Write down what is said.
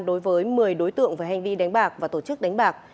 đối với một mươi đối tượng về hành vi đánh bạc và tổ chức đánh bạc